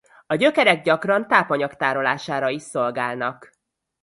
A gyökerek gyakran tápanyag tárolására is szolgálnak.